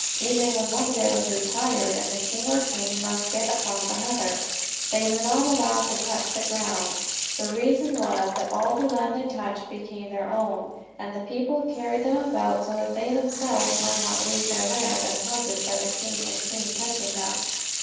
Even when one bearer grew tired and the king or the queen must get upon another, they were not allowed to touch the ground. The reason was that all the land they touched became their own, and the people carried them about so that they themselves might not lose their land and houses by the king and queen touching them.